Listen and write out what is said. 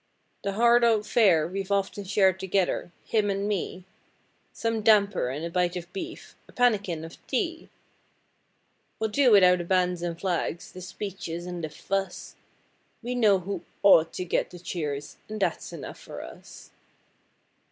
The hard old fare we've often shared together, him and me, Some damper and a bite of beef, a pannikin of tea: We'll do without the bands and flags, the speeches and the fuss, We know who OUGHT to get the cheers and that's enough for us.